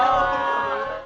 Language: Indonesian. jangan sabar sabar padakuoj